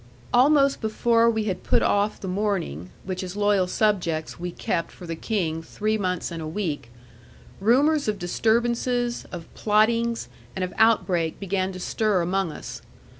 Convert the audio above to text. Almost before we had put off the mourning, which as loyal subjects we kept for the King three months and a week; rumours of disturbances, of plottings, and of outbreak began to stir among us.